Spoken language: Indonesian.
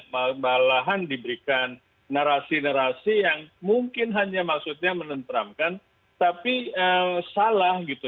malahan diberikan narasi narasi yang mungkin hanya maksudnya menentramkan tapi salah gitu